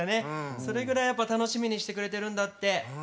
それぐらいやっぱ楽しみにしてくれてるんだって。